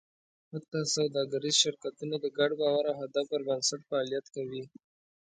حتی سوداګریز شرکتونه د ګډ باور او هدف پر بنسټ فعالیت کوي.